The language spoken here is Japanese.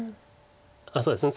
あっそうですね。